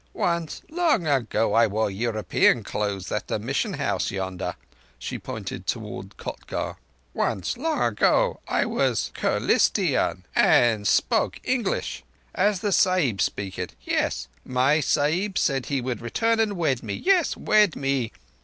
Once, long ago, I wore European clothes at the Mission house yonder." She pointed towards Kotgarh. "Once, long ago. I was Ker lis ti an and spoke English—as the Sahibs speak it. Yes. My Sahib said he would return and wed me—yes, wed me.